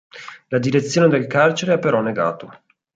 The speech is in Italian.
La direzione del carcere ha però negato.